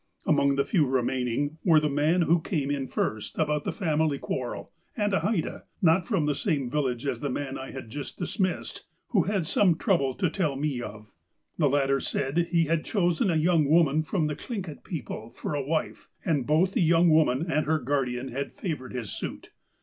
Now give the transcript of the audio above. " Among the few remaining, were the man who came in first about the family quarrel, and a Haida, — (not from the same village as the man I had just dismissed), who had some trouble to tell me of. The latter said that he had chosen a young woman from the Thlingit people for a wife, and both the young woman and her guardian had favoured his suit.